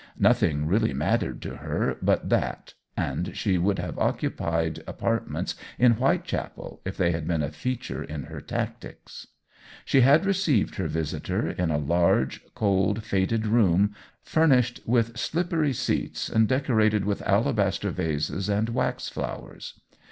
Nothing really mattered to her but that, and she would have occupied apartments in Whitechapel if they had been a feature in her tactics. She had received her visitor in a large, cold, faded room, furnished with slippery seats and decorated with alabaster vases and wax flowers.